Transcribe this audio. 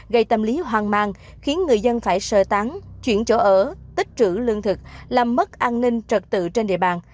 gây tâm lý hoang mang khiến người dân phải sơ tán chuyển chỗ ở tích trữ lương thực làm mất an ninh trật tự trên địa bàn